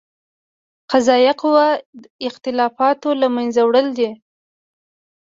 قضائیه قوه اختلافاتو له منځه وړل دي.